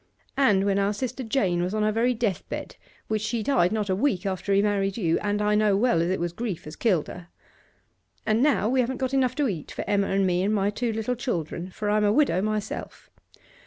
And when our sister Jane was on her very death bed, which she died not a week after he married you, and I know well as it was grief as killed her. And now we haven't got enough to eat for Emma and me and my two little children, for I am a widow myself.